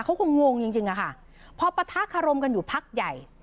เขาคงงจริงจริงอะค่ะพอปะทะคารมกันอยู่พักใหญ่